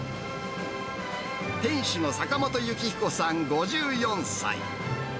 店主の坂本幸彦さん５４歳。